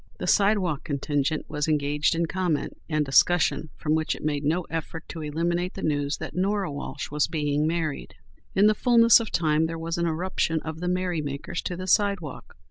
The sidewalk contingent was engaged in comment and discussion from which it made no effort to eliminate the news that Norah Walsh was being married. In the fulness of time there was an eruption of the merry makers to the sidewalk.